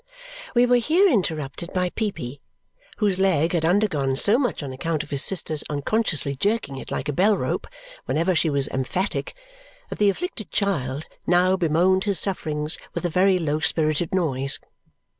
We were here interrupted by Peepy, whose leg had undergone so much on account of his sister's unconsciously jerking it like a bell rope whenever she was emphatic that the afflicted child now bemoaned his sufferings with a very low spirited noise.